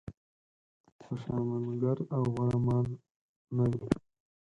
خوشامنګر او غوړه مال نه وي.